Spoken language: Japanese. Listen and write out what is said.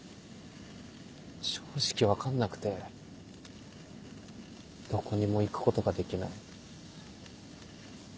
正直分かんなくてどこにも行くことができない。